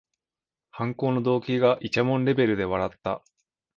犯行の動機がいちゃもんレベルで笑った